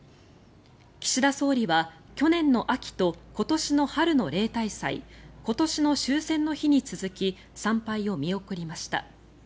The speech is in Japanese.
岸田総理は去年の秋と今年の春の例大祭今年の終戦の日に続き参拝を見送りました。